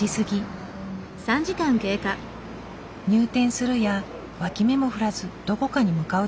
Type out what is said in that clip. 入店するや脇目も振らずどこかに向かう男性。